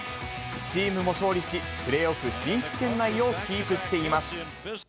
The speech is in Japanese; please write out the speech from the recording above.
チームも勝利し、プレーオフ進出圏内をキープしています。